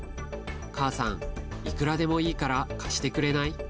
母さん、いくらでもいいから貸してくれない？